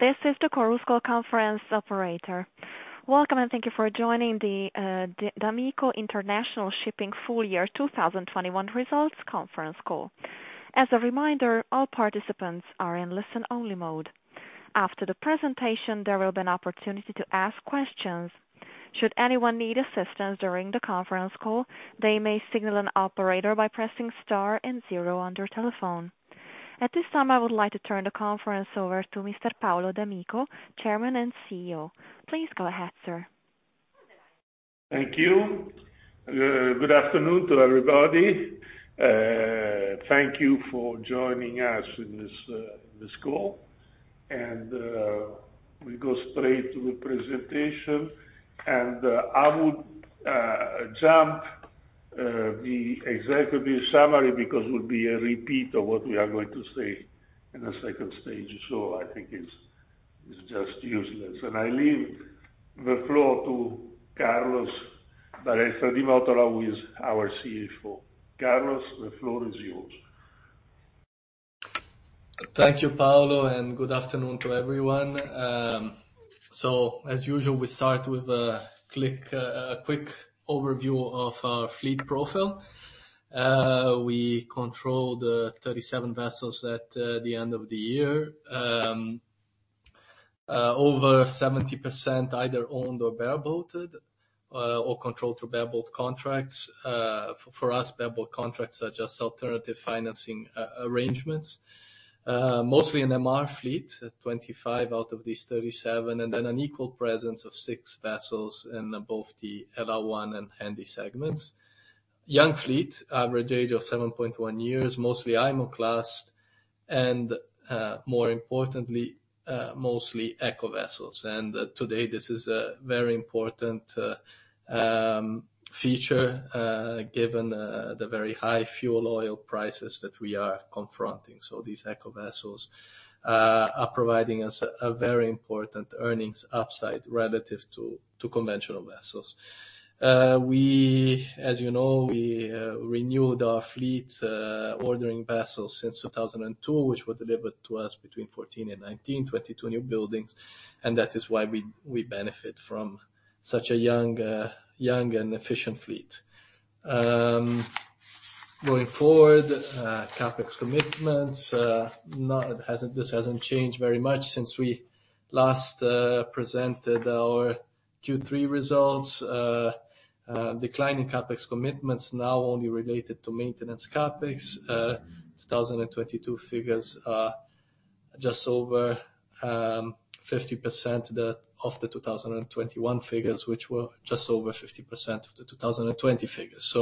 This is the Chorus Call conference operator. Welcome and thank you for joining the d'Amico International Shipping full year 2021 results conference call. As a reminder, all participants are in listen-only mode. After the presentation, there will be an opportunity to ask questions. Should anyone need assistance during the conference call, they may signal an operator by pressing star and zero on their telephone. At this time, I would like to turn the conference over to Mr. Paolo d'Amico, Chairman and CEO. Please go ahead, sir. Thank you. Good afternoon to everybody. Thank you for joining us in this call. We go straight to the presentation, and I would jump the executive summary because it would be a repeat of what we are going to say in the second stage. I think it's just useless. I leave the floor to Carlos Balestra di Mottola who is our CFO. Carlos, the floor is yours. Thank you, Paolo, and good afternoon to everyone. As usual, we start with a slide, a quick overview of our fleet profile. We control the 37 vessels at the end of the year. Over 70% either owned or bareboat, or controlled through bareboat contracts. For us, bareboat contracts are just alternative financing arrangements. Mostly in MR fleet, 25 out of these 37, and then an equal presence of six vessels in both the LR1 and Handy segments. Young fleet, average age of 7.1 years, mostly IMO class and, more importantly, mostly ECO vessels. Today this is a very important feature given the very high fuel oil prices that we are confronting. These ECO vessels are providing us a very important earnings upside relative to conventional vessels. We as you know renewed our fleet, ordering vessels since 2002, which were delivered to us between 2014 and 2019, 22 newbuildings, and that is why we benefit from such a young and efficient fleet. Going forward, CapEx commitments haven't changed very much since we last presented our Q3 results. Declining CapEx commitments now only related to maintenance CapEx. 2022 figures are just over 50% of the 2021 figures, which were just over 50% of the 2020 figures.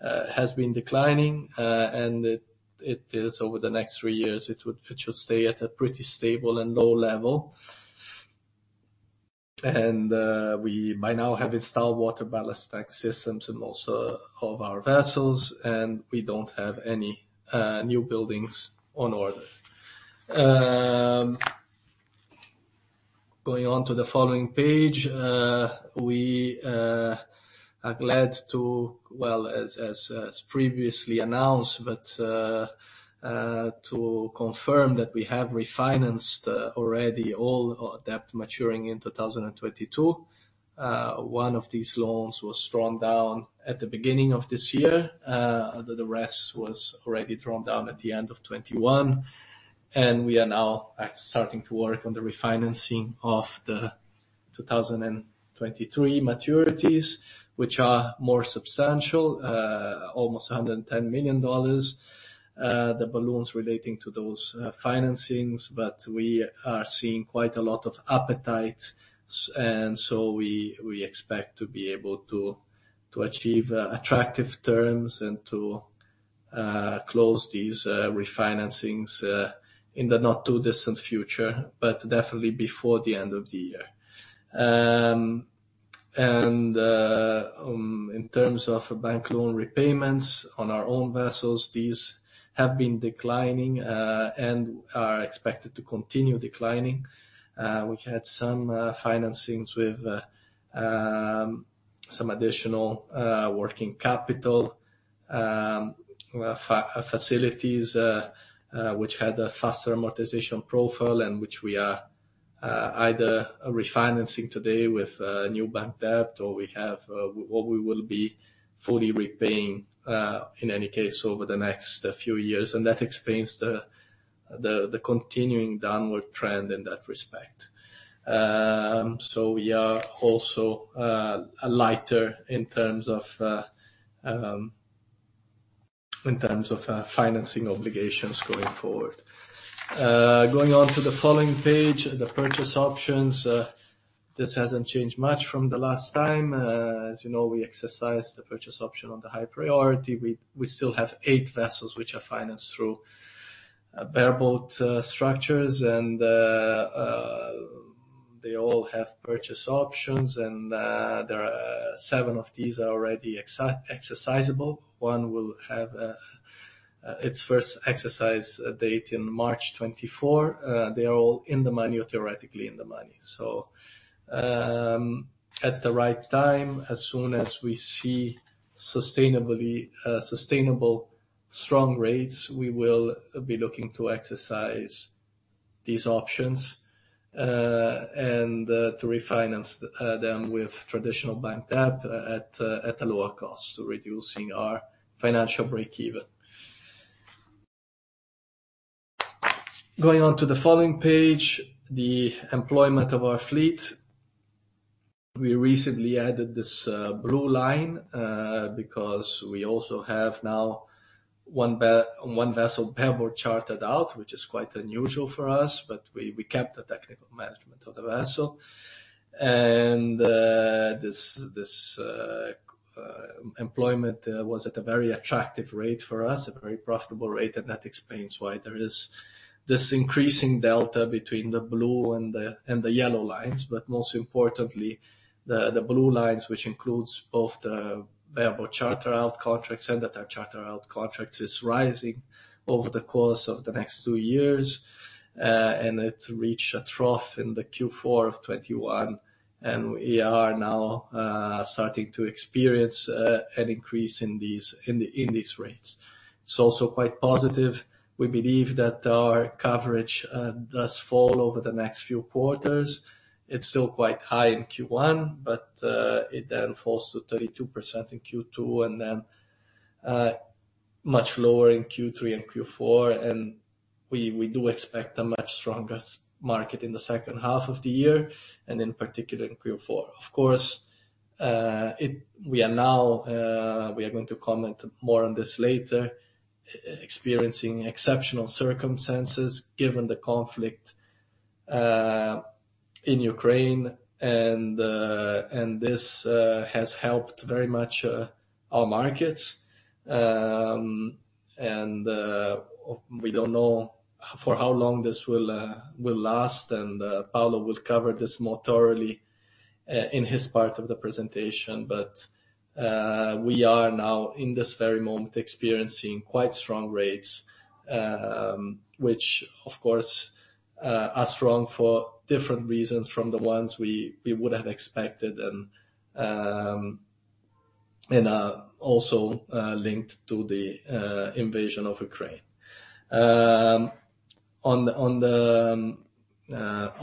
Has been declining, and it is over the next three years, it should stay at a pretty stable and low level. We by now have installed ballast water treatment systems in most of our vessels, and we don't have any newbuildings on order. Going on to the following page. We are glad to, as previously announced, confirm that we have refinanced already all our debt maturing in 2022. One of these loans was drawn down at the beginning of this year. The rest was already drawn down at the end of 2021. We are now starting to work on the refinancing of the 2023 maturities, which are more substantial, almost $110 million, the balloons relating to those financings. We are seeing quite a lot of appetite, and so we expect to be able to achieve attractive terms and to close these refinancings in the not too distant future, but definitely before the end of the year. In terms of bank loan repayments on our own vessels, these have been declining and are expected to continue declining. We had some financings with some additional working capital facilities, which had a faster amortization profile and which we are either refinancing today with new bank debt or we will be fully repaying in any case over the next few years. That explains the continuing downward trend in that respect. We are also lighter in terms of financing obligations going forward. Going on to the following page, the purchase options, this hasn't changed much from the last time. As you know, we exercised the purchase option on the High Priority. We still have eight vessels which are financed through bareboat structures, and they all have purchase options, and there are seven of these that are already exercisable. One will have its first exercise date in March 2024. They are all in the money or theoretically in the money. At the right time, as soon as we see sustainable strong rates, we will be looking to exercise these options and to refinance them with traditional bank debt at a lower cost, so reducing our financial break-even. Going on to the following page, the employment of our fleet. We recently added this blue line because we also have now one vessel bareboat chartered out, which is quite unusual for us, but we kept the technical management of the vessel. This employment was at a very attractive rate for us, a very profitable rate. That explains why there is this increasing delta between the blue and the yellow lines. Most importantly, the blue lines, which includes both the bareboat charter out contracts and the time charter out contracts, is rising over the course of the next two years. It reached a trough in the Q4 of 2021, and we are now starting to experience an increase in these rates. It's also quite positive. We believe that our coverage does fall over the next few quarters. It's still quite high in Q1, but it then falls to 32% in Q2, and then much lower in Q3 and Q4. We do expect a much stronger spot market in the second half of the year, and in particular, in Q4. Of course, we are now going to comment more on this later, experiencing exceptional circumstances given the conflict in Ukraine and this has helped very much our markets. We don't know for how long this will last, and Paolo will cover this more thoroughly in his part of the presentation. We are now, in this very moment, experiencing quite strong rates, which of course are strong for different reasons from the ones we would have expected and are also linked to the invasion of Ukraine.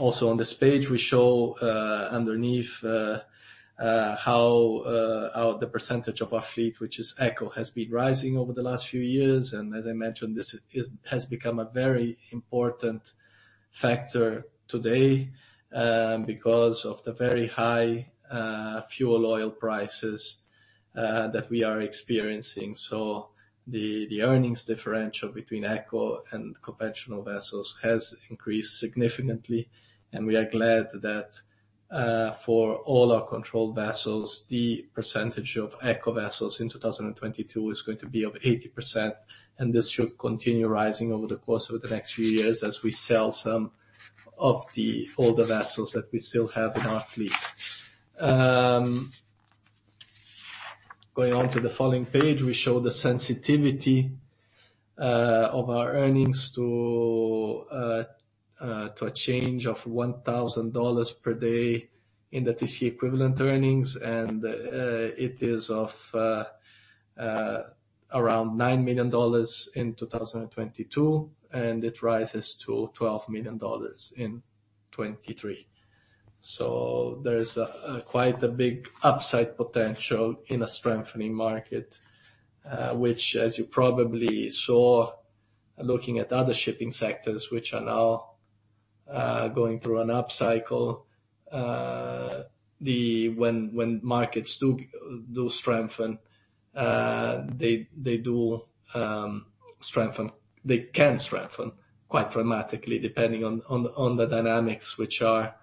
Also on this page, we show underneath how the percentage of our fleet, which is ECO, has been rising over the last few years. As I mentioned, this has become a very important factor today, because of the very high fuel oil prices that we are experiencing. The earnings differential between ECO and conventional vessels has increased significantly. We are glad that, for all our controlled vessels, the percentage of ECO vessels in 2022 is going to be 80%, and this should continue rising over the course of the next few years as we sell some of the older vessels that we still have in our fleet. Going on to the following page, we show the sensitivity of our earnings to a change of $1,000 per day in the TC equivalent earnings. It is of around $9 million in 2022, and it rises to $12 million in 2023. There is quite a big upside potential in a strengthening market, which as you probably saw looking at other shipping sectors which are now going through an upcycle. When markets do strengthen, they do strengthen. They can strengthen quite dramatically depending on the dynamics which are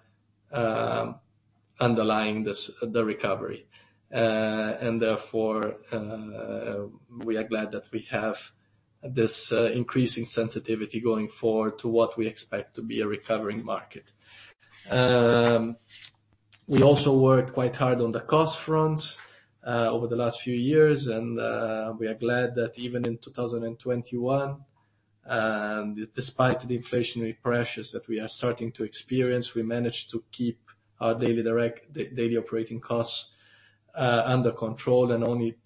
underlying this recovery. Therefore, we are glad that we have this increasing sensitivity going forward to what we expect to be a recovering market. We also worked quite hard on the cost front over the last few years. We are glad that even in 2021, despite the inflationary pressures that we are starting to experience, we managed to keep our daily operating costs under control and only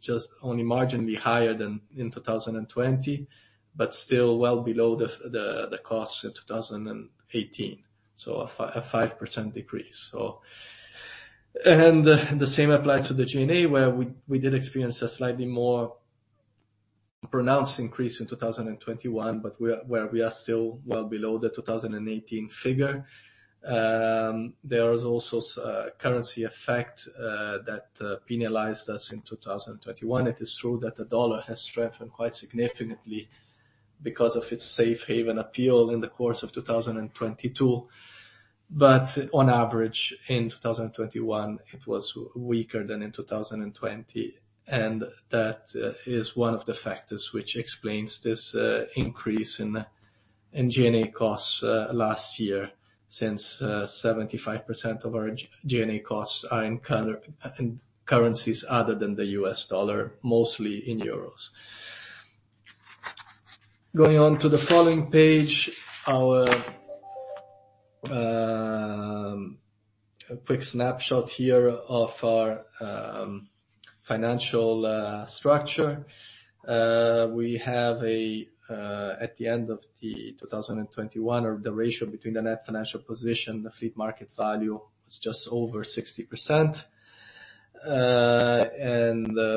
marginally higher than in 2020, but still well below the costs in 2018. A 5% decrease. The same applies to the G&A, where we did experience a slightly more pronounced increase in 2021, but we are still well below the 2018 figure. There is also a currency effect that penalized us in 2021. It is true that the dollar has strengthened quite significantly because of its safe haven appeal in the course of 2022, but on average in 2021, it was weaker than in 2020. That is one of the factors which explains this increase in G&A costs last year, since 75% of our G&A costs are in currencies other than the US dollar, mostly in euros. Going on to the following page, a quick snapshot here of our financial structure. At the end of 2021, the ratio between the net financial position and the fleet market value was just over 60%.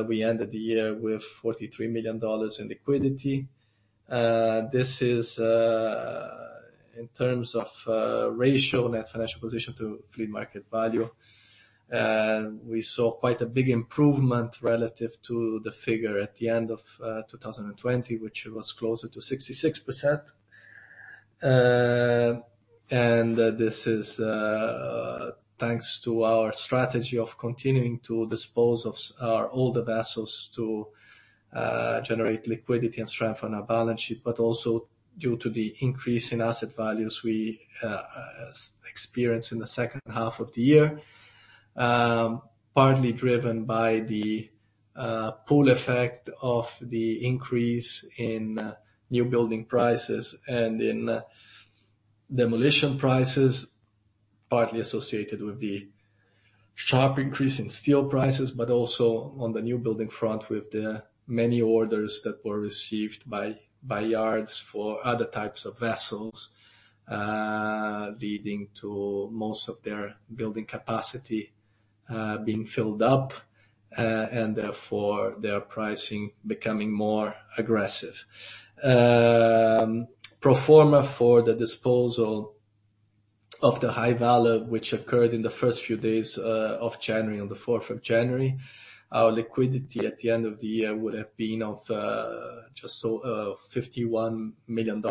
We ended the year with $43 million in liquidity. This is in terms of ratio net financial position to fleet market value. We saw quite a big improvement relative to the figure at the end of 2020, which was closer to 66%. This is thanks to our strategy of continuing to dispose of our older vessels to generate liquidity and strengthen our balance sheet, but also due to the increase in asset values we experience in the second half of the year. Partly driven by the pool effect of the increase in newbuilding prices and in demolition prices, partly associated with the sharp increase in steel prices, but also on the newbuilding front with the many orders that were received by yards for other types of vessels, leading to most of their building capacity being filled up, and therefore their pricing becoming more aggressive. Pro forma for the disposal of the High Valor, which occurred in the first few days of January, on the fourth of January. Our liquidity at the end of the year would have been of just so $51 million,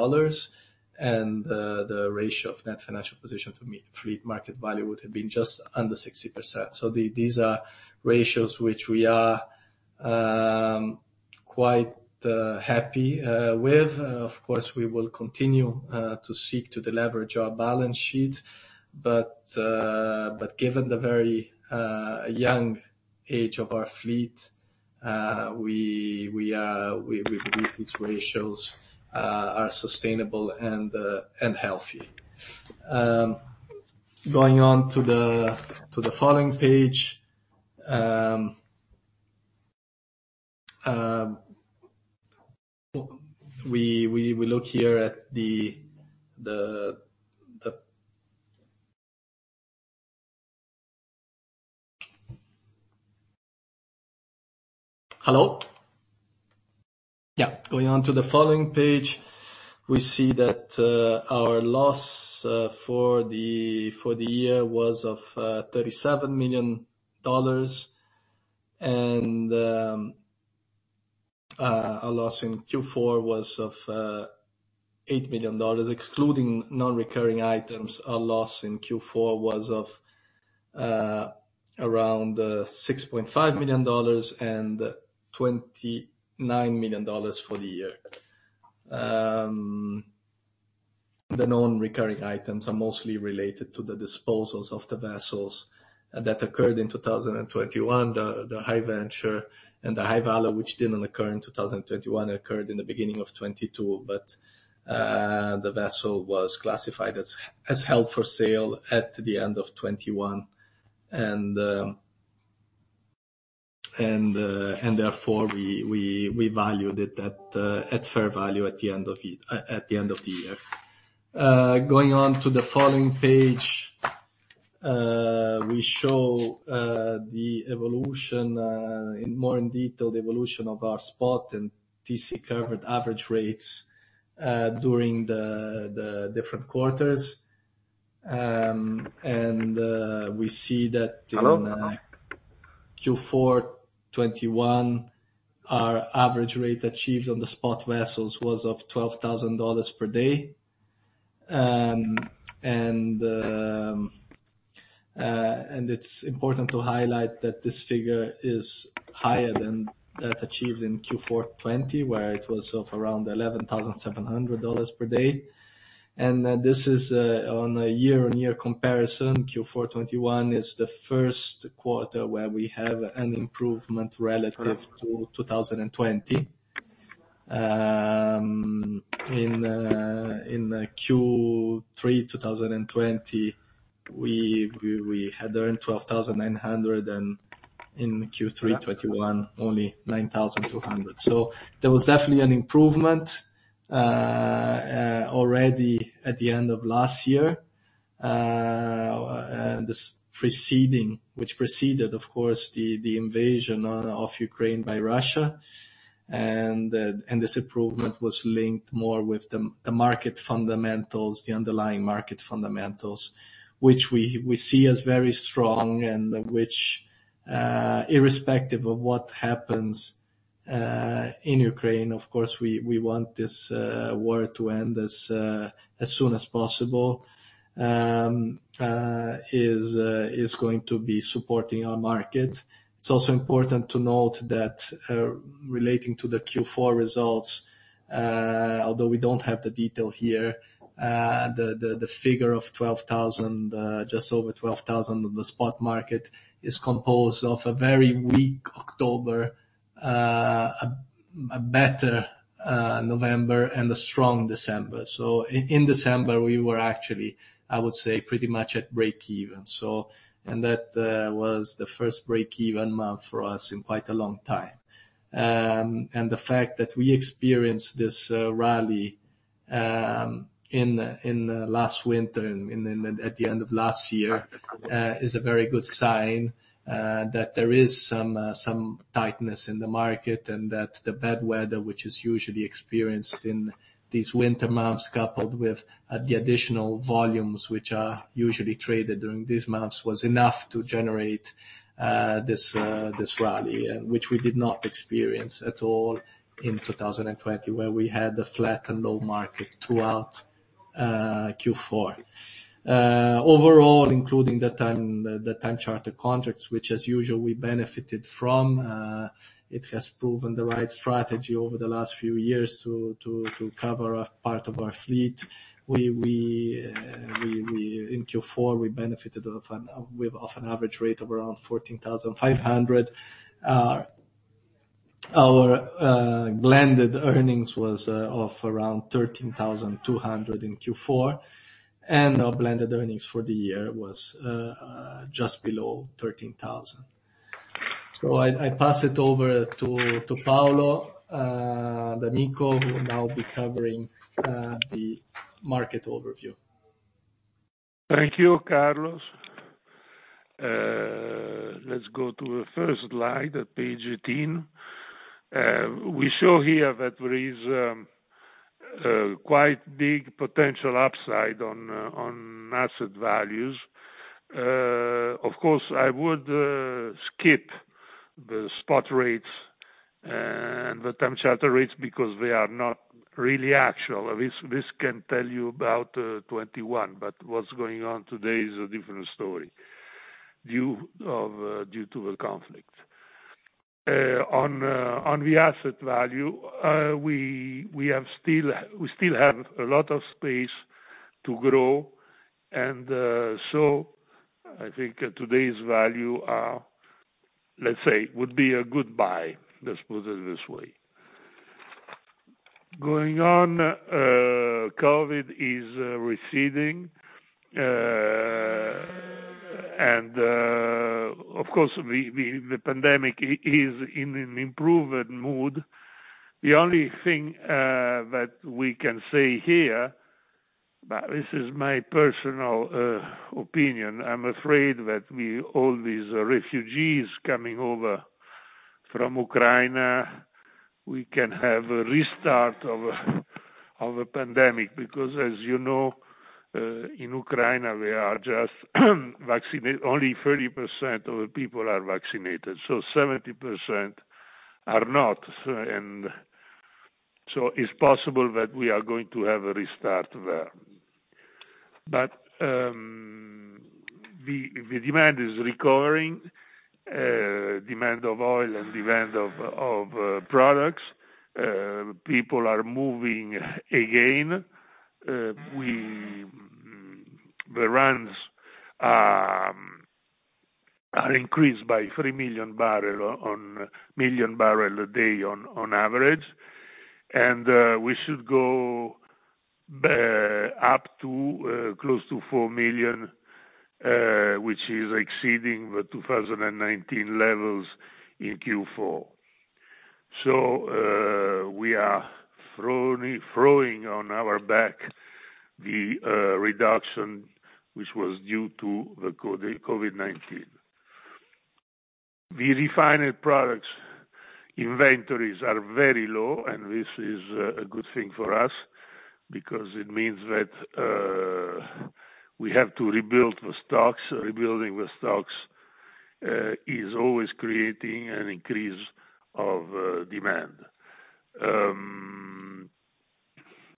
and the ratio of net financial position to fleet market value would have been just under 60%. These are ratios which we are quite happy with. Of course, we will continue to seek to deleverage our balance sheet. Given the very young age of our fleet, we believe these ratios are sustainable and healthy. Going on to the following page, we see that our loss for the year was $37 million, and our loss in Q4 was $8 million, excluding non-recurring items. Our loss in Q4 was around $6.5 million and $29 million for the year. The known recurring items are mostly related to the disposals of the vessels that occurred in 2021, the High Venture and the High Valor, which didn't occur in 2021, occurred in the beginning of 2022. The vessel was classified as held for sale at the end of 2021. Therefore we valued it at fair value at the end of the year. Going on to the following page, we show in more detail the evolution of our spot and TC covered average rates during the different quarters. We see that. Hello? In Q4 2021, our average rate achieved on the spot vessels was $12,000 per day. It's important to highlight that this figure is higher than that achieved in Q4 2020, where it was around $11,700 per day. This is, on a year-on-year comparison, Q4 2021 is the first quarter where we have an improvement relative to 2020. In Q3 2020, we had earned $12,900, and in Q3 2021, only $9,200. There was definitely an improvement already at the end of last year. This preceding, which preceded, of course, the invasion of Ukraine by Russia. This improvement was linked more with the market fundamentals, the underlying market fundamentals, which we see as very strong and which, irrespective of what happens in Ukraine, of course, we want this war to end as soon as possible, is going to be supporting our market. It's also important to note that, relating to the Q4 results, although we don't have the detail here, the figure of 12,000, just over 12,000 on the spot market is composed of a very weak October, a better November and a strong December. In December, we were actually, I would say, pretty much at breakeven. That was the first breakeven month for us in quite a long time. The fact that we experienced this rally in last winter and at the end of last year is a very good sign that there is some tightness in the market and that the bad weather, which is usually experienced in these winter months, coupled with the additional volumes which are usually traded during these months, was enough to generate this rally, which we did not experience at all in 2020, where we had a flat and low market throughout Q4. Overall, including the time charter contracts, which as usual we benefited from, it has proven the right strategy over the last few years to cover a part of our fleet. In Q4, we benefited from an average rate of around $14,500. Our blended earnings was around $13,200 in Q4, and our blended earnings for the year was just below $13,000. I pass it over to Paolo d'Amico, who will now be covering the market overview. Thank you, Carlos. Let's go to the first slide at page 18. We show here that there is a quite big potential upside on asset values. Of course, I would skip the spot rates and the time charter rates because they are not really actual. This can tell you about 2021, but what's going on today is a different story due to the conflict. On the asset value, we still have a lot of space to grow, so I think today's value, let's say would be a good buy. Let's put it this way. Going on, COVID is receding. Of course the pandemic is in an improved mood. The only thing that we can say here, but this is my personal opinion. I'm afraid that we, all these refugees coming over from Ukraine, we can have a restart of a pandemic because as you know, in Ukraine we are just vaccinated—only 30% of the people are vaccinated, so 70% are not. It's possible that we are going to have a restart there. The demand is recovering, demand of oil and demand of products. People are moving again. The runs are increased by 3 million barrels a day on average. We should go up to close to 4 million, which is exceeding the 2019 levels in Q4. We are throwing on our back the reduction which was due to the COVID-19. The refined products inventories are very low, and this is a good thing for us because it means that we have to rebuild the stocks. Rebuilding the stocks is always creating an increase of demand.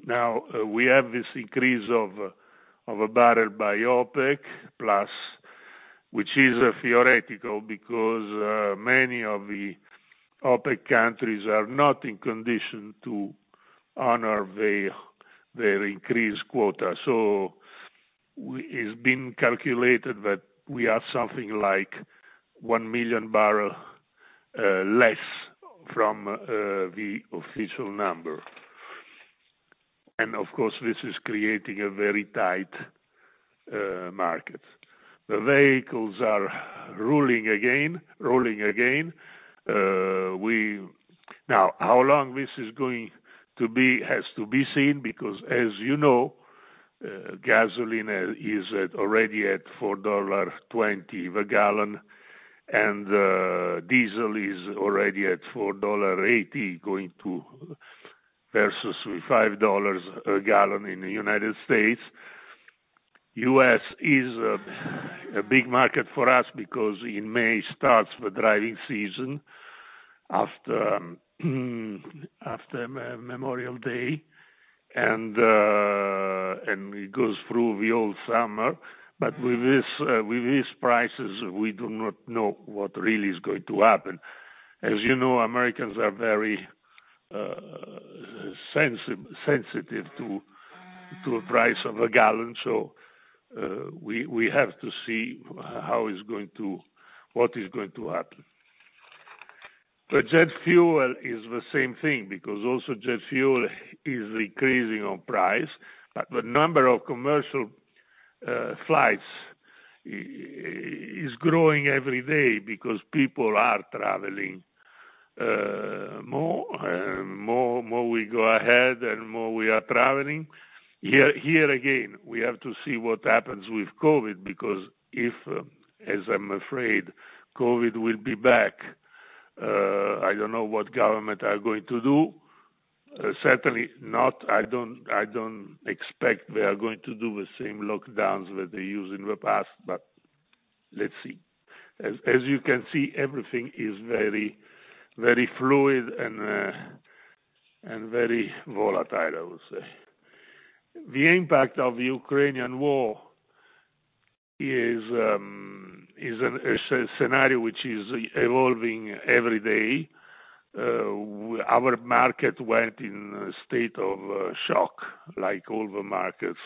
Now we have this increase of a barrel by OPEC+, which is theoretical because many of the OPEC countries are not in condition to honor their increased quota. It's been calculated that we are something like 1 million barrels less from the official number. And of course, this is creating a very tight market. The vessels are running again. Now, how long this is going to be has to be seen because as you know, gasoline is already at $4.20 per gallon, and diesel is already at $4.80 going to $5 a gallon in the United States. U.S. is a big market for us because in May starts the driving season after Memorial Day. It goes through the whole summer. With this, with these prices, we do not know what really is going to happen. As you know, Americans are very sensitive to a price of a gallon. We have to see how it's going to what is going to happen. The jet fuel is the same thing because also jet fuel is increasing in price. The number of commercial flights is growing every day because people are traveling more and more we go ahead and more we are traveling. Here again, we have to see what happens with COVID because if, as I'm afraid, COVID will be back. I don't know what government are going to do. Certainly not. I don't expect they are going to do the same lockdowns that they used in the past, but let's see. As you can see, everything is very, very fluid and very volatile, I would say. The impact of the Ukrainian war is a scenario which is evolving every day. Our market went in a state of shock like all the markets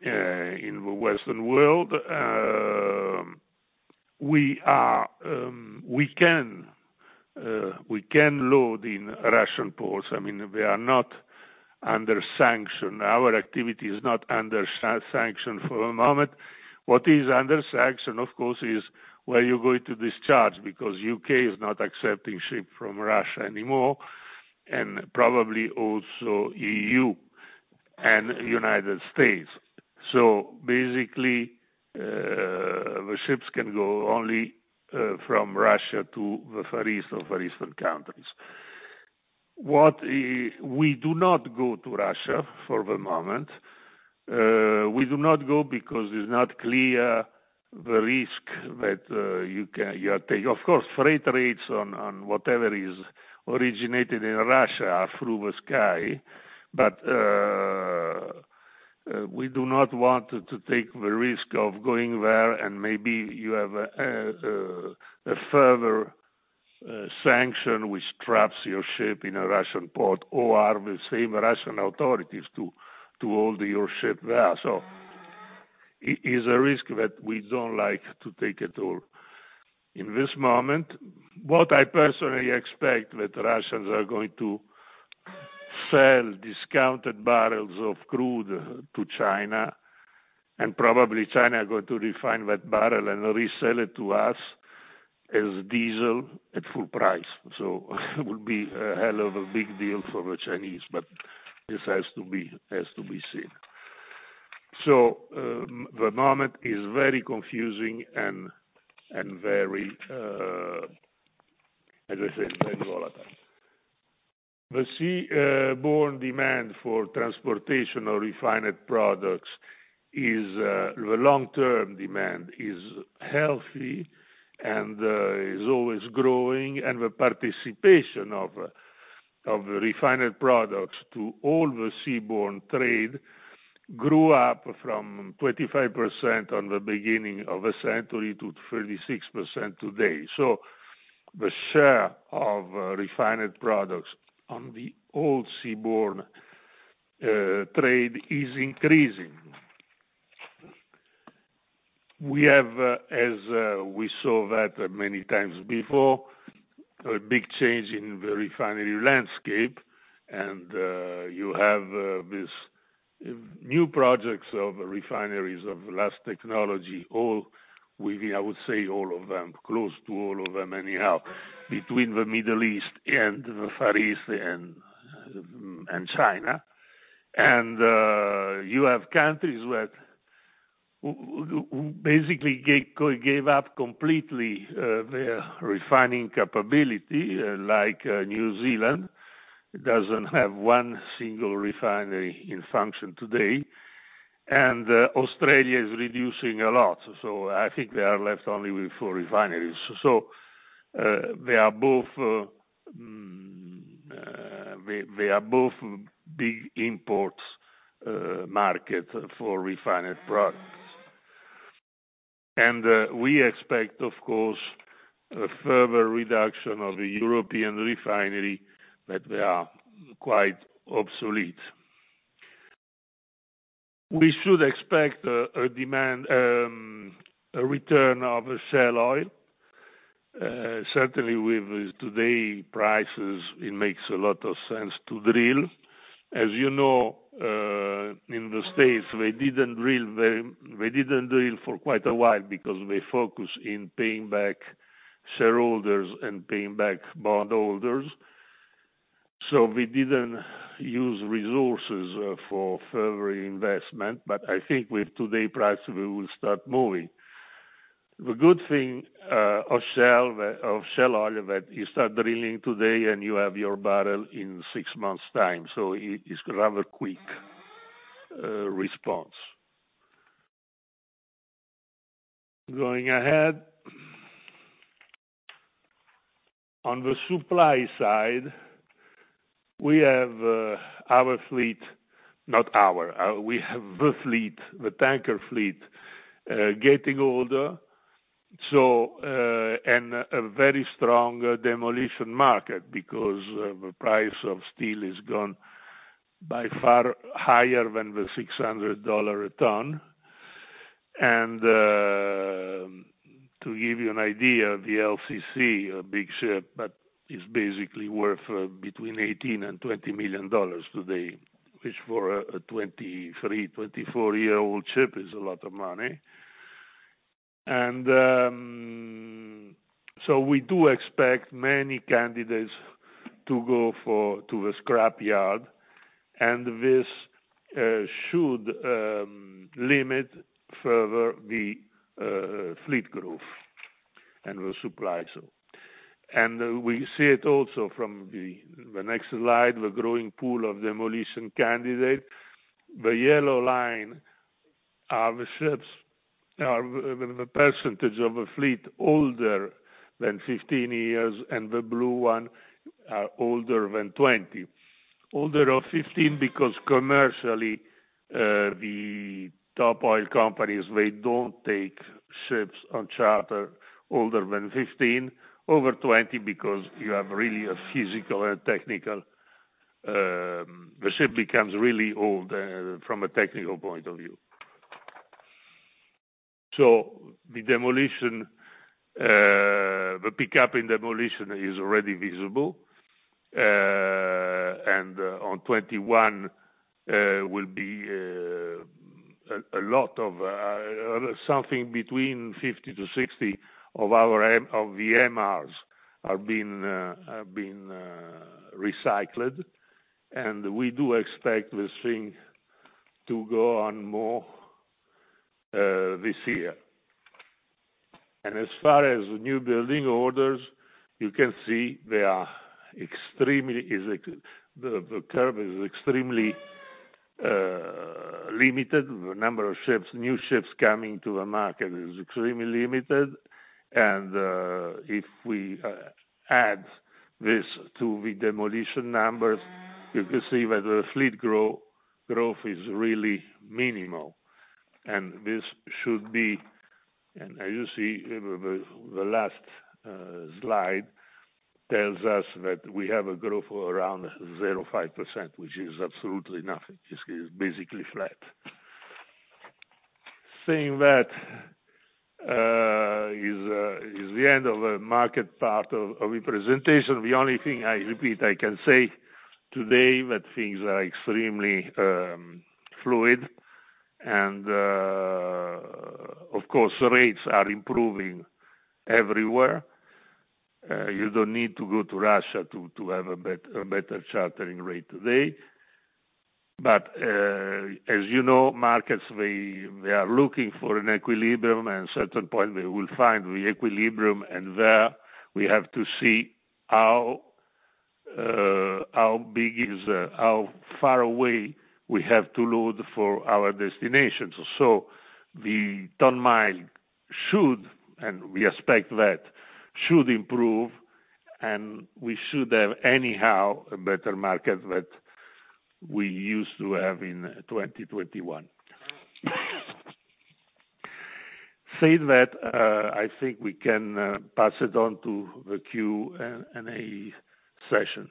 in the Western world. We can load in Russian ports. I mean, we are not under sanction. Our activity is not under sanction for a moment. What is under sanction, of course, is where you're going to discharge because U.K. is not accepting ships from Russia anymore, and probably also EU and United States. Basically, the ships can go only from Russia to the Far East or Far Eastern countries. We do not go to Russia for the moment. We do not go because it's not clear the risk that you take. Of course, freight rates on whatever is originated in Russia are through the sky. We do not want to take the risk of going there and maybe you have a further sanction which traps your ship in a Russian port or the same Russian authorities to hold your ship there. Is a risk that we don't like to take at all. In this moment, what I personally expect that Russians are going to sell discounted barrels of crude to China, and probably China are going to refine that barrel and resell it to us as diesel at full price. It would be a hell of a big deal for the Chinese, but this has to be seen. The moment is very confusing and very, as I said, very volatile. The seaborne demand for transportation of refined products is the long-term demand is healthy and is always growing, and the participation of refined products to all the seaborne trade grew up from 25% at the beginning of the century to 36% today. The share of refined products in the overall seaborne trade is increasing. We have, as we saw that many times before, a big change in the refinery landscape and you have this new projects of refineries of latest technology, all of them, I would say, close to all of them anyhow, between the Middle East and the Far East and China. You have countries that basically gave up completely their refining capability, like New Zealand doesn't have one single refinery in function today. Australia is reducing a lot. I think they are left only with four refineries. They are both big import markets for refined products. We expect, of course, a further reduction of the European refineries that are quite obsolete. We should expect a demand, a return of shale oil. Certainly with today's prices, it makes a lot of sense to drill. As you know, in the States, they didn't drill for quite a while because they focused on paying back shareholders and paying back bondholders. We didn't use resources for further investment. I think with today's price, we will start moving. The good thing of shale oil that you start drilling today and you have your barrel in six months' time. It's a rather quick response. Going ahead. On the supply side, we have the fleet, the tanker fleet, getting older, and a very strong demolition market because the price of steel has gone by far higher than $600 a ton. To give you an idea, the VLCC, a big ship, but is basically worth between $18 million and $20 million today, which for a 23-, 24-year-old ship is a lot of money. We do expect many candidates to go to the scrap yard, and this should limit further the fleet growth and the supply too. We see it also from the next slide, the growing pool of demolition candidates. The yellow line are the percentage of a fleet older than 15 years, and the blue one are older than 20. Older than 15 because commercially, the top oil companies they don't take ships on charter older than 15. Over 20, because you have really a physical and technical, the ship becomes really old from a technical point of view. The pickup in demolition is already visible. In 2021 will be a lot of something between 50-60 of our MRs are being recycled. We do expect this thing to go on more this year. As far as newbuilding orders, you can see the curve is extremely limited. The number of ships, new ships coming to the market is extremely limited. If we add this to the demolition numbers, you can see that the fleet growth is really minimal. This should be as you see, the last slide tells us that we have a growth of around 0.5%, which is absolutely nothing. It just is basically flat. That is the end of the market part of your presentation. The only thing I can say today, I repeat, that things are extremely fluid. Of course, rates are improving everywhere. You don't need to go to Russia to have a better chartering rate today. As you know, markets, they are looking for an equilibrium, and at a certain point they will find the equilibrium. There we have to see how far away we have to load for our destinations. The ton-mile should improve, and we expect that. We should have anyhow a better market than we used to have in 2021. Saying that, I think we can pass it on to the Q&A session.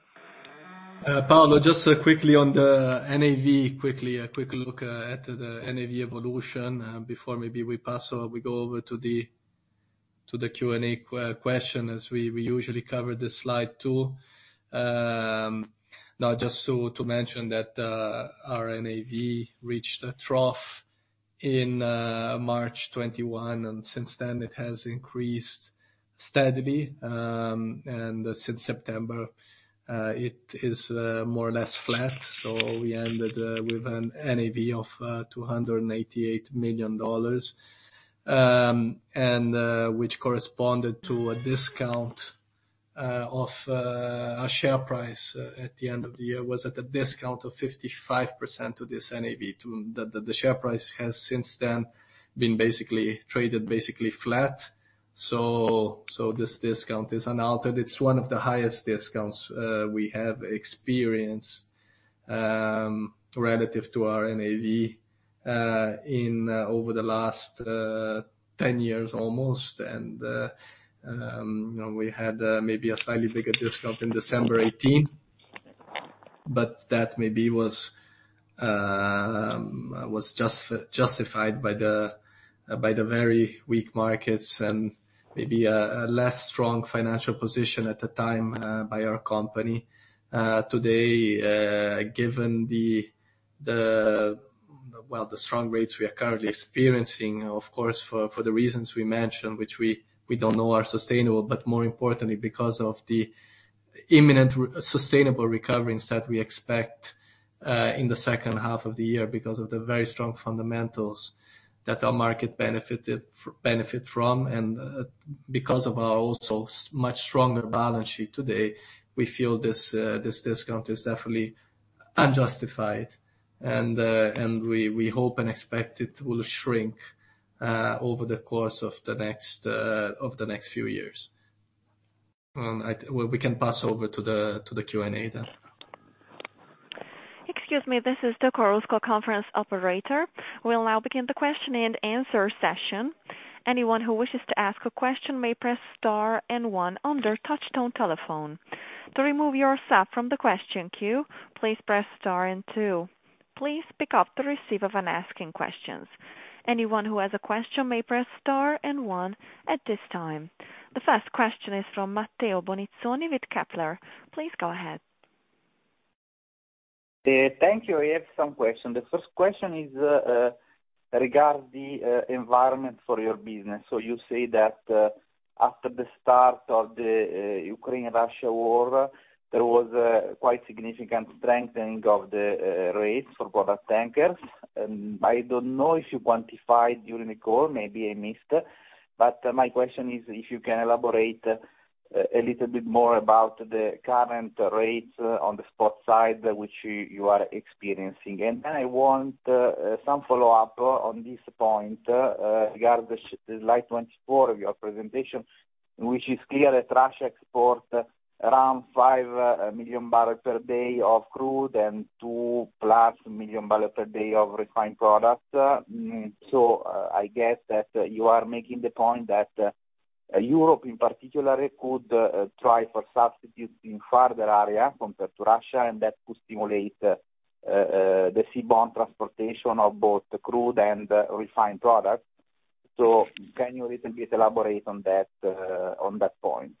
Paolo, just quickly on the NAV. Quickly, a quick look at the NAV evolution before maybe we pass or we go over to the Q&A question, as we usually cover this slide too. Now, just to mention that our NAV reached a trough in March 2021, and since then it has increased steadily. And since September it is more or less flat. We ended with an NAV of $288 million. And which corresponded to a discount of our share price at the end of the year was at a discount of 55% to this NAV. The share price has since then been basically traded basically flat. This discount is unaltered. It's one of the highest discounts we have experienced relative to our NAV in over the last 10 years almost. You know, we had maybe a slightly bigger discount in December 2018, but that maybe was justified by the very weak markets and maybe a less strong financial position at the time by our company. Today, given the strong rates we are currently experiencing, of course, for the reasons we mentioned, which we don't know are sustainable, but more importantly because of the imminent sustainable recovery that we expect in the second half of the year because of the very strong fundamentals that our market benefit from, and because of our also much stronger balance sheet today, we feel this discount is definitely unjustified. We hope and expect it will shrink over the course of the next few years. We can pass over to the Q&A then. Excuse me, this is the Chorus Call conference operator. We'll now begin the question and answer session. Anyone who wishes to ask a question may press star and one on their touchtone telephone. To remove yourself from the question queue, please press star and two. Please pick up your handset if you're asking a question. Anyone who has a question may press star and one at this time. The first question is from Matteo Bonizzoni with Kepler. Please go ahead. Thank you. I have some question. The first question is regarding the environment for your business. You say that after the start of the Ukraine-Russia war, there was quite significant strengthening of the rate for product tankers. I don't know if you quantified during the call, maybe I missed it, but my question is if you can elaborate a little bit more about the current rates on the spot side which you are experiencing. Then I want some follow-up on this point regarding the slide 24 of your presentation, which is clear that Russia export around 5 million barrels per day of crude and 2+ million barrels per day of refined products. I guess that you are making the point that Europe in particular could try for substitutes in farther area compared to Russia, and that could stimulate the seaborne transportation of both the crude and refined products. Can you elaborate a little bit on that point?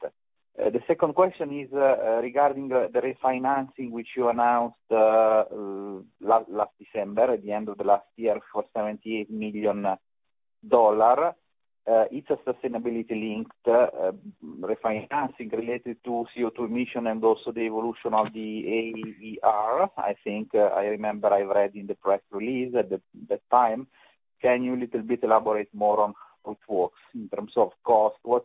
The second question is regarding the refinancing which you announced last December at the end of the last year for $78 million. It's a sustainability-linked refinancing related to CO2 emission and also the evolution of the AER. I think I remember I read in the press release at that time. Can you elaborate a little bit more on how it works in terms of cost? What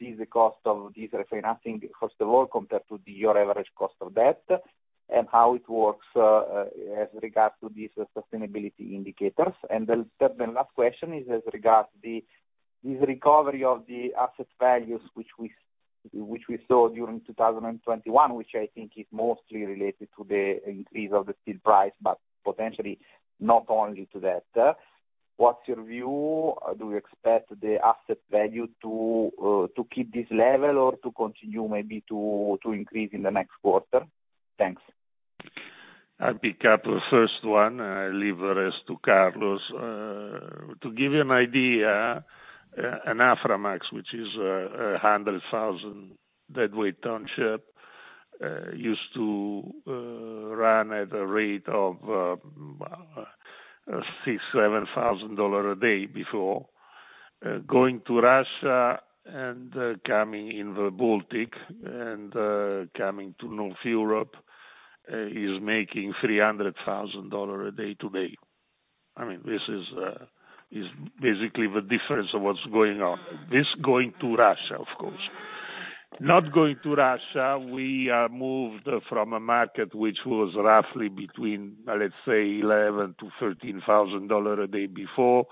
is the cost of this refinancing, first of all, compared to your average cost of debt, and how it works as regards to these sustainability indicators? The third and last question is as regards the recovery of the asset values which we saw during 2021, which I think is mostly related to the increase of the steel price, but potentially not only to that. What's your view? Do you expect the asset value to keep this level or to continue maybe to increase in the next quarter? Thanks. I'll pick up the first one. I leave the rest to Carlos. To give you an idea, an Aframax, which is a 100,000 deadweight tonnage, used to run at a rate of $6,000-$7,000 a day before. Going to Russia and coming in the Baltic and coming to North Europe is making $300,000 a day today. I mean, this is basically the difference of what's going on. This going to Russia, of course. Not going to Russia, we moved from a market which was roughly between, let's say $11,000-$13,000 a day before,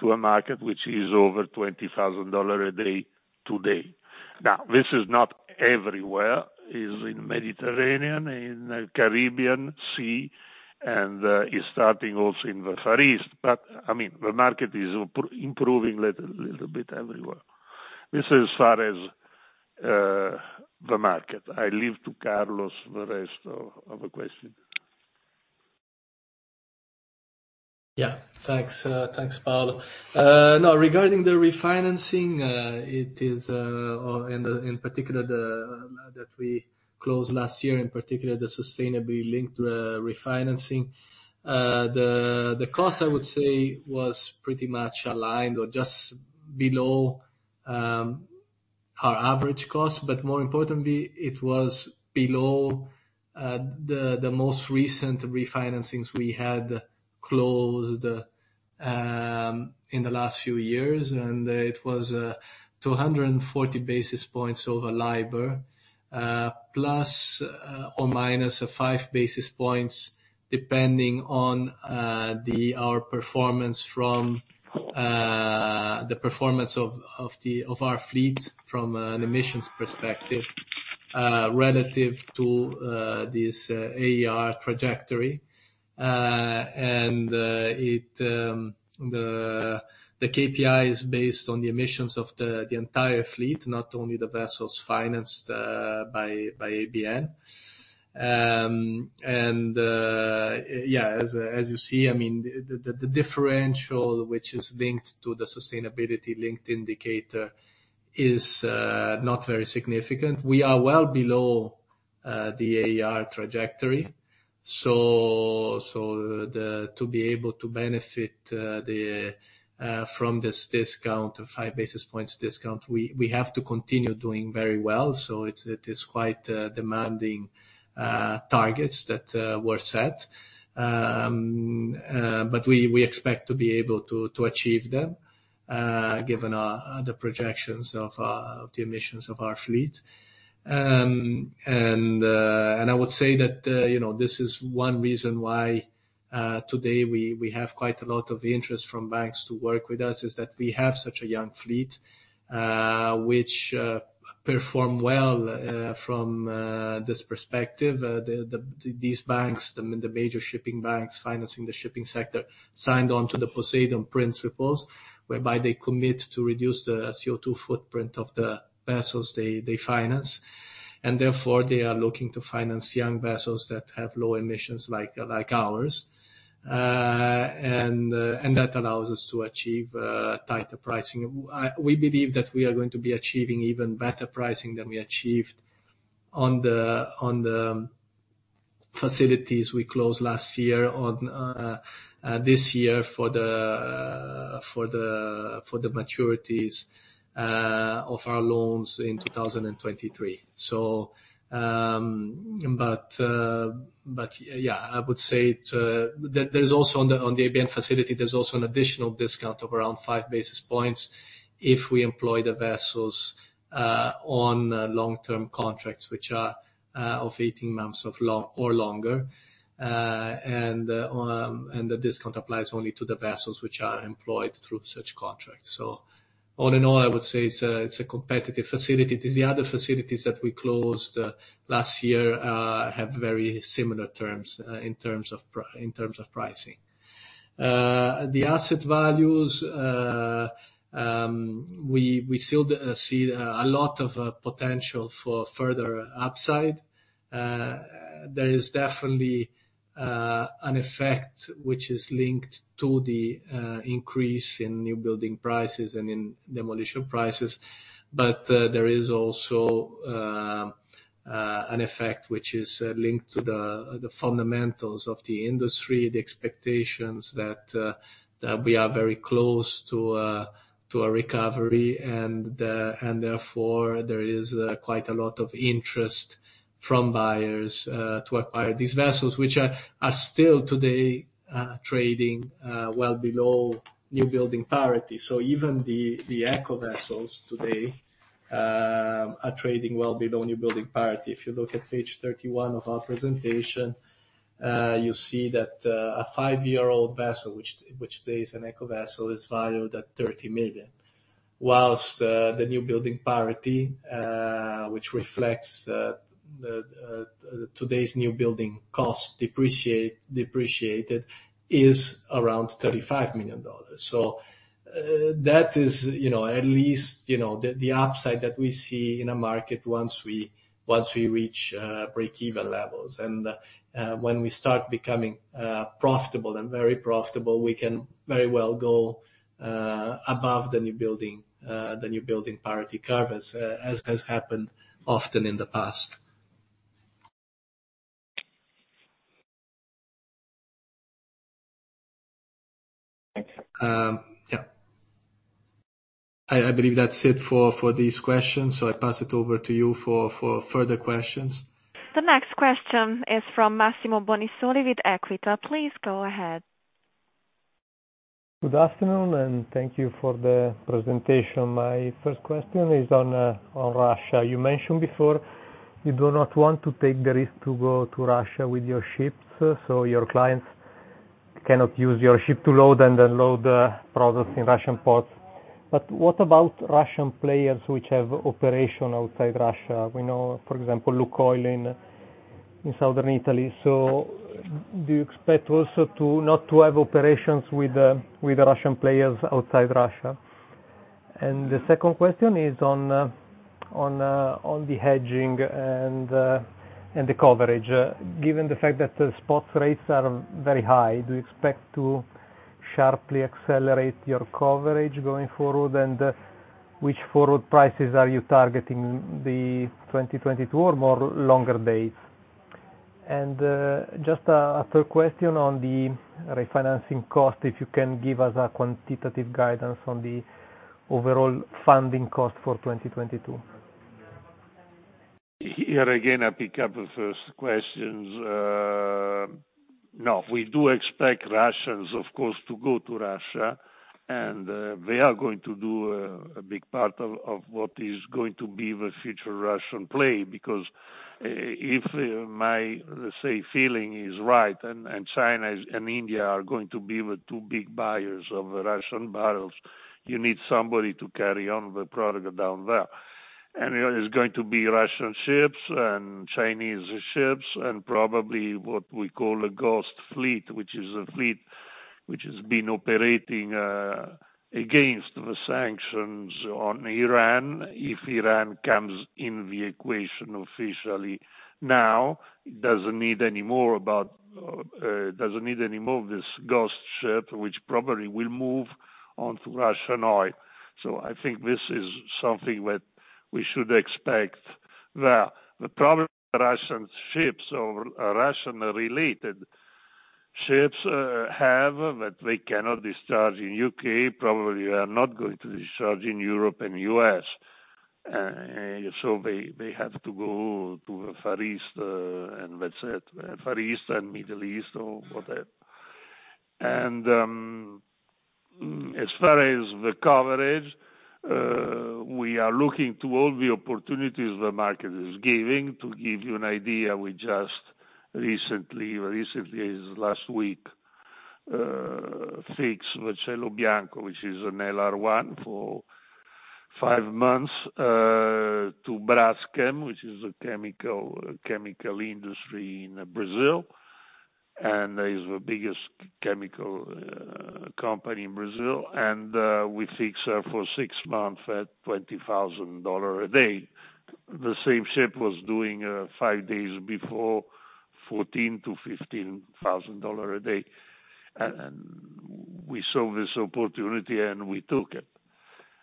to a market which is over $20,000 a day today. Now, this is not everywhere. It's in Mediterranean, in Caribbean Sea, and it's starting also in the Far East. I mean, the market is improving little bit everywhere. This is as far as the market. I leave to Carlos the rest of the question. Yeah. Thanks, Paolo. Now regarding the refinancing, in particular the sustainability-linked refinancing that we closed last year. The cost I would say was pretty much aligned or just below our average cost. But more importantly, it was below the most recent refinancings we had closed in the last few years, and it was 240 basis points over LIBOR ±5 basis points, depending on the performance of our fleet from an emissions perspective, relative to this AER trajectory. The KPI is based on the emissions of the entire fleet, not only the vessels financed by ABN. As you see, I mean, the differential which is linked to the sustainability-linked indicator is not very significant. We are well below the AER trajectory. To be able to benefit from this discount, the five basis points discount, we have to continue doing very well. It is quite demanding targets that were set. We expect to be able to achieve them given the projections of the emissions of our fleet. I would say that you know, this is one reason why today we have quite a lot of interest from banks to work with us, is that we have such a young fleet which perform well from this perspective. The major shipping banks financing the shipping sector signed on to the Poseidon Principles, whereby they commit to reduce the CO2 footprint of the vessels they finance. Therefore, they are looking to finance young vessels that have low emissions like ours. That allows us to achieve tighter pricing. We believe that we are going to be achieving even better pricing than we achieved on the facilities we closed last year and this year for the maturities of our loans in 2023. Yeah, I would say to... There's also on the ABN facility an additional discount of around 5 basis points if we employ the vessels on long-term contracts, which are of 18 months or longer. The discount applies only to the vessels which are employed through such contracts. All in all, I would say it's a competitive facility. The other facilities that we closed last year have very similar terms in terms of pricing. The asset values we still see a lot of potential for further upside. There is definitely an effect which is linked to the increase in newbuilding prices and in demolition prices. There is also an effect which is linked to the fundamentals of the industry, the expectations that we are very close to a recovery. Therefore, there is quite a lot of interest from buyers to acquire these vessels, which are still today trading well below newbuilding parity. Even the ECO vessels today are trading well below newbuilding parity. If you look at page 31 of our presentation, you see that a five-year-old vessel, which today is an ECO vessel, is valued at $30 million. While the newbuilding parity, which reflects today's newbuilding cost depreciated, is around $35 million. That is, you know, at least, you know, the upside that we see in a market once we reach break-even levels. When we start becoming profitable and very profitable, we can very well go above the newbuilding parity curve, as has happened often in the past. Thanks. Yeah. I believe that's it for these questions, so I pass it over to you for further questions. The next question is from Massimo Bonisoli with Equita. Please go ahead. Good afternoon, and thank you for the presentation. My first question is on Russia. You mentioned before you do not want to take the risk to go to Russia with your ships, so your clients cannot use your ship to load and unload products in Russian ports. What about Russian players which have operation outside Russia? We know, for example, Lukoil in Southern Italy. Do you expect also not to have operations with Russian players outside Russia? The second question is on the hedging and the coverage. Given the fact that the spot rates are very high, do you expect to sharply accelerate your coverage going forward? Which forward prices are you targeting, 2022 or more longer dates? Just a third question on the refinancing cost, if you can give us a quantitative guidance on the overall funding cost for 2022. Here again, I pick up the first questions. No, we do expect Russians, of course, to go to Russia. They are going to do a big part of what is going to be the future Russian play. Because if my, let's say, feeling is right, and China and India are going to be the two big buyers of Russian barrels, you need somebody to carry on the product down there. It's going to be Russian ships and Chinese ships and probably what we call a ghost fleet, which is a fleet which has been operating against the sanctions on Iran. If Iran comes in the equation officially now, it doesn't need any more of this ghost ship, which probably will move onto Russian oil. I think this is something that we should expect there. The problem Russian ships or Russian-related ships have that they cannot discharge in U.K., probably are not going to discharge in Europe and U.S. They have to go to the Far East, and let's say Far East and Middle East or whatever. As far as the coverage, we are looking to all the opportunities the market is giving. To give you an idea, we just recently as last week fixed the Cielo Bianco, which is an LR1 for 5 months to Braskem, which is a chemical industry in Brazil, and is the biggest chemical company in Brazil. We fixed her for 6 months at $20,000 a day. The same ship was doing 5 days before $14,000-$15,000 a day. We saw this opportunity, and we took it.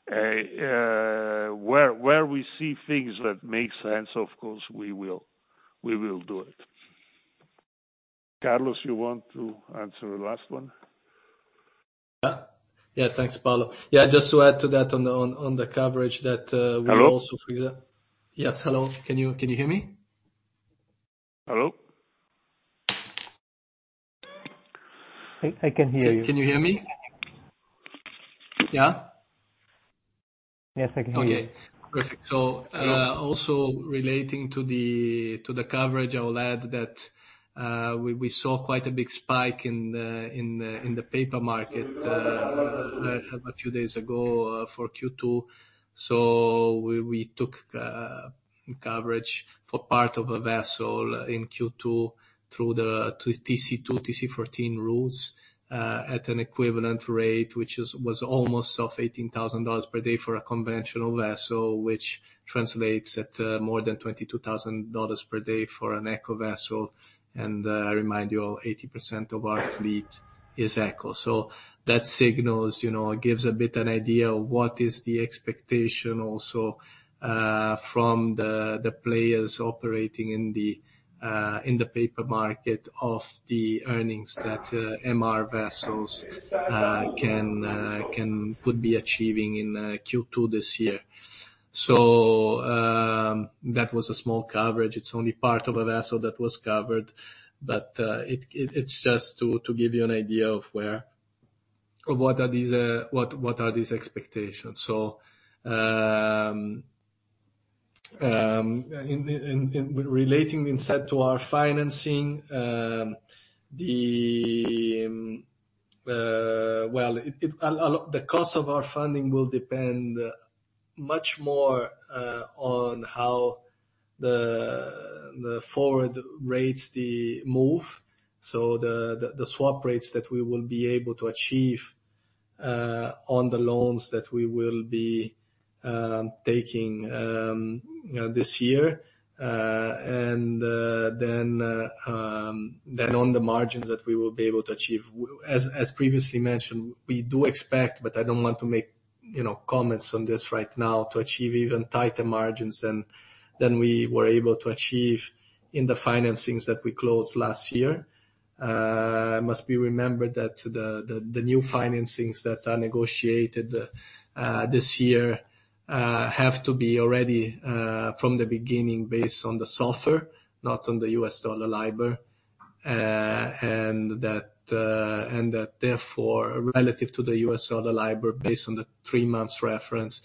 Where we see things that make sense, of course, we will do it. Carlos, you want to answer the last one? Yeah. Yeah. Thanks, Paolo. Yeah, just to add to that on the coverage that we also- Hello? Yes, hello. Can you hear me? Hello? I can hear you. Can you hear me? Yeah? Yes, I can hear you. Okay. Perfect. Also relating to the coverage, I will add that we saw quite a big spike in the paper market a few days ago for Q2. We took coverage for part of a vessel in Q2 through the TC2, TC14 routes at an equivalent rate, which was almost $18,000 per day for a conventional vessel, which translates at more than $22,000 per day for an ECO vessel. I remind you all, 80% of our fleet is ECO. That signals, you know, gives a bit an idea of what is the expectation also from the players operating in the paper market of the earnings that MR vessels could be achieving in Q2 this year. That was a small coverage. It's only part of a vessel that was covered, but it's just to give you an idea of what are these expectations. In relating instead to our financing, the cost of our funding will depend much more on how the forward rates move. The swap rates that we will be able to achieve on the loans that we will be taking, you know, this year, and then on the margins that we will be able to achieve. As previously mentioned, we do expect, but I don't want to make, you know, comments on this right now, to achieve even tighter margins than we were able to achieve in the financings that we closed last year. It must be remembered that the new financings that are negotiated this year have to be already, from the beginning, based on the SOFR, not on the US dollar LIBOR. Therefore, relative to the U.S. dollar LIBOR, based on the three-month reference,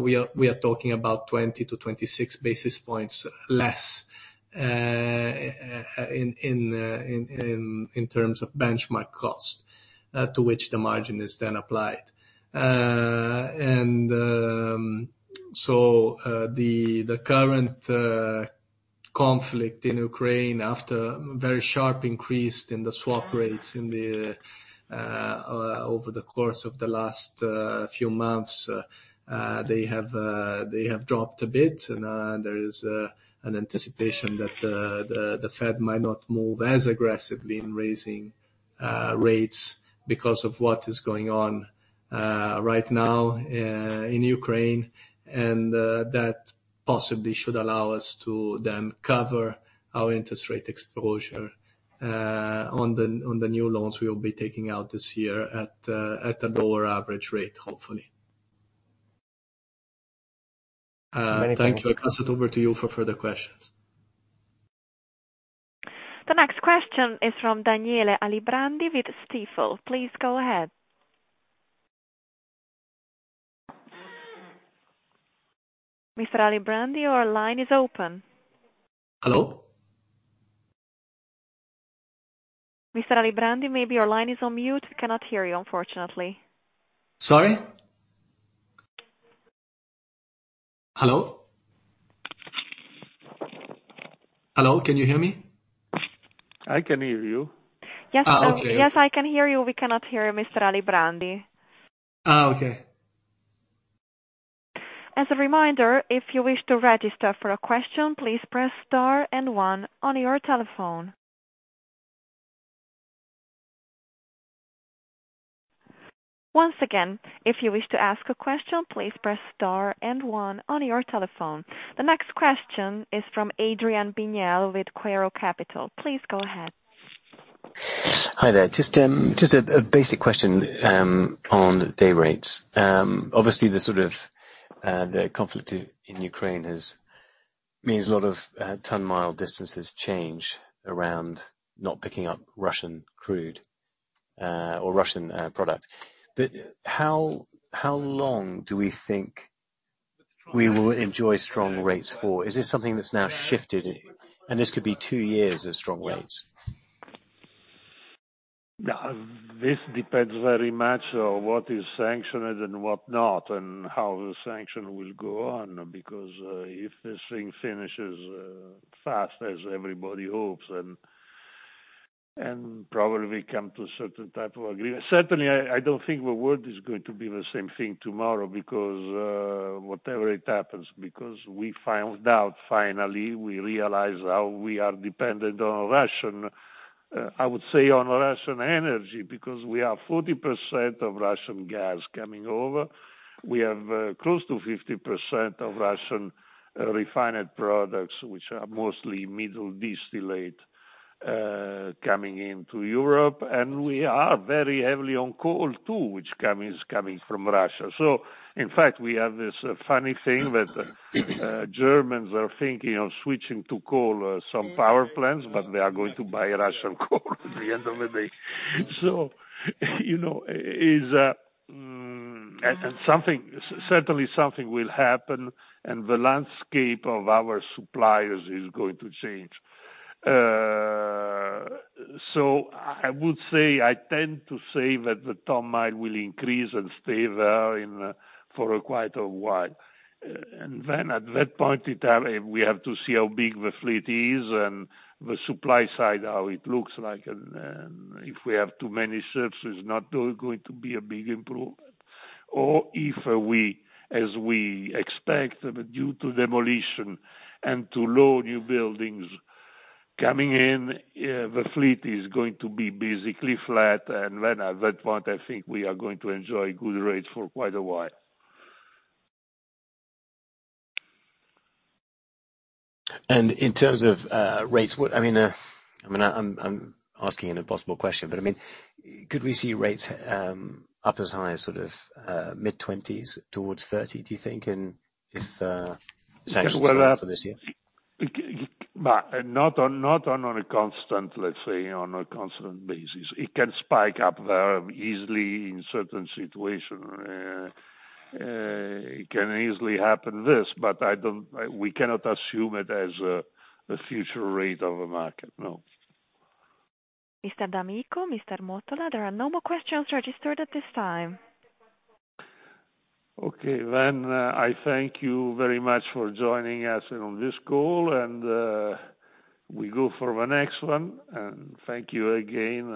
we are talking about 20-26 basis points less in terms of benchmark cost to which the margin is then applied. The current conflict in Ukraine, after very sharp increase in the swap rates over the course of the last few months, they have dropped a bit. There is an anticipation that the Fed might not move as aggressively in raising rates because of what is going on right now in Ukraine. That possibly should allow us to then cover our interest rate exposure on the new loans we will be taking out this year at a lower average rate, hopefully. Thank you. I'll pass it over to you for further questions. The next question is from Daniele Alibrandi with Stifel. Please go ahead. Mr. Alibrandi, your line is open. Hello? Mr. Alibrandi, maybe your line is on mute. Cannot hear you, unfortunately. Sorry. Hello? Hello? Can you hear me? I can hear you. Yes, I can hear you. We cannot hear Mr. Alibrandi. As a reminder, if you wish to register for a question, please press star and one on your telephone. Once again, if you wish to ask a question, please press star and one on your telephone. The next question is from Adrian Bignell with Quaero Capital. Please go ahead. Hi there. Just a basic question on day rates. Obviously the conflict in Ukraine has meant a lot of ton-mile distances change around not picking up Russian crude or Russian product. How long do we think we will enjoy strong rates for? Is this something that's now shifted? This could be two years of strong rates. Yeah. This depends very much on what is sanctioned and whatnot, and how the sanction will go on. Because if this thing finishes fast, as everybody hopes, and probably come to a certain type of agreement. Certainly, I don't think the world is going to be the same thing tomorrow because whatever it happens, because we found out finally, we realize how we are dependent on Russian, I would say on Russian energy. Because we have 40% of Russian gas coming over, we have close to 50% of Russian refined products, which are mostly middle distillate coming into Europe. We are very heavily on coal too, which is coming from Russia. In fact, we have this funny thing that Germans are thinking of switching to coal, some power plants, but they are going to buy Russian coal at the end of the day. You know, it is and something will certainly happen and the landscape of our suppliers is going to change. I would say I tend to say that the ton-mile will increase and stay there in for quite a while. Then at that point in time, we have to see how big the fleet is and the supply side, how it looks like. If we have too many ships, there's not going to be a big improvement. If we, as we expect due to demolition and low newbuildings coming in, the fleet is going to be basically flat. At that point, I think we are going to enjoy good rates for quite a while. In terms of rates, I mean, I'm asking an impossible question, but I mean, could we see rates up as high as sort of mid-20s towards 30, do you think, and if sanctions hold up for this year? Well, not on a constant, let's say, on a constant basis. It can spike up there easily in certain situation. It can easily happen this, but we cannot assume it as a future rate of the market, no. Mr. d'Amico, Mr. Mottola, there are no more questions registered at this time. Okay. I thank you very much for joining us on this call, and we go for the next one. Thank you again.